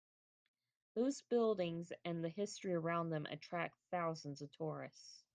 Those buildings and the history around them attract thousands of tourists.